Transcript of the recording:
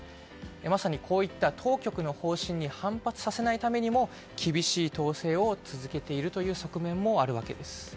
まさにこういった当局の方針に反発させないためにも厳しい統制を続けているという側面もあるわけです。